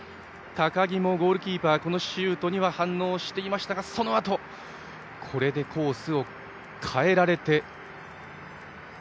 ゴールキーパー、高木もこのシュートには反応していましたがそのあとこれでコースを変えられて。